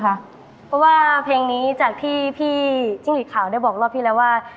เพราะว่าเพลงนี้จากที่พี่จิ้งหลีดขาวได้บอกรอบที่แล้วว่า